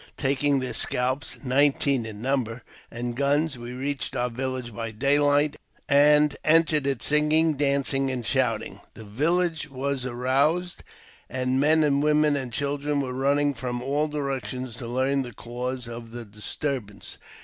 Taking their scalps (nineteen in number) and guns, we reached our village by daylight, and entered it singing, dancing, and shouting. The village was aroused, and men, women, and children came running from all directions to learn the cause of the disturbance.